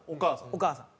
お母さん。